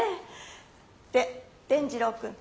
で伝じろうくん。